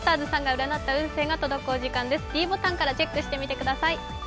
ｄボタンからチェックしてみてください。